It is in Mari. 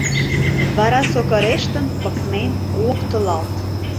...Вара сокырештын, пыкнен, локтылалт